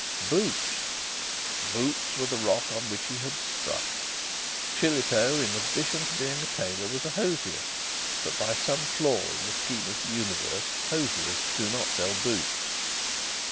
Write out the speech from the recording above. Boots!... Boots were the rock on which he had struck. Shillitoe, in addition to being a tailor was a hosier, but by some flaw in the scheme of the universe hosiers do not sell boots.